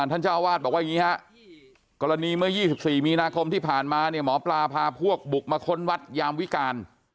ท่านเจ้าวาดบอกว่าอย่างนี้ฮะกรณีเมื่อ๒๔มีนาคมที่ผ่านมาเนี่ยหมอปลาพาพวกบุกมาค้นวัดยามวิการ